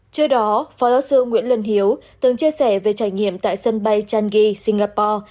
trước đó phó giáo sư nguyễn lân hiếu từng chia sẻ về trải nghiệm tại sân bay changi singapore